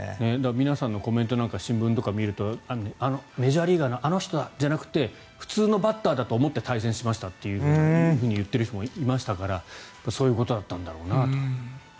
皆さんのコメントや新聞を見るとメジャーリーガーのあの人だじゃなくて普通のバッターだと思って対戦しましたって言っている人もいましたからそういうことだったんだろうと。